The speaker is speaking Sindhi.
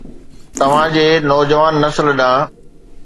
توهان جي نوجوان نسل ڏانهن